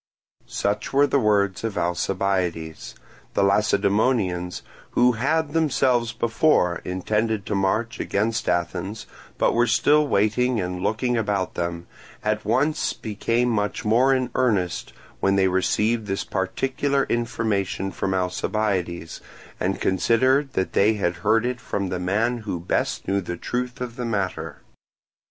Such were the words of Alcibiades. The Lacedaemonians, who had themselves before intended to march against Athens, but were still waiting and looking about them, at once became much more in earnest when they received this particular information from Alcibiades, and considered that they had heard it from the man who best knew the truth of the matter.